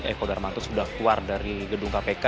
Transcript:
eko darmanto sudah keluar dari gedung kpk